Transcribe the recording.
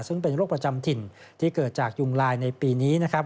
ซึ่งเป็นโรคประจำถิ่นที่เกิดจากยุงลายในปีนี้นะครับ